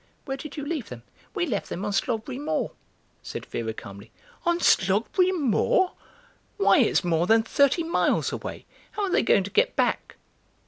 Where did you leave them?" "We left them on Slogberry Moor," said Vera calmly. "On Slogberry Moor? Why, it's more than thirty miles away! How are they going to get back?"